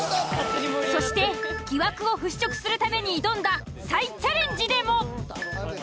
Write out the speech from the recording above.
そして疑惑を払拭するために挑んだ再チャレンジでも。